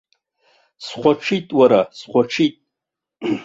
Схәаҽит, уара, схәаҽит!